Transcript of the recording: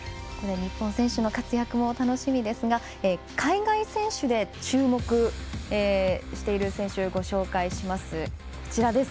日本選手の活躍も楽しみですが海外選手で注目している選手ご紹介します。